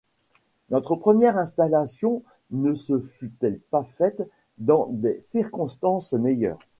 Notre première installation ne se fût-elle pas faite dans des circonstances meilleures?